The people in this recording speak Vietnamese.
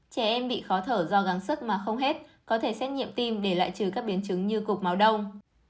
trẻ em bị khó thở do gắng sức mà không hết có thể xét nghiệm tim để lại trừ các biến chứng như cục máu đông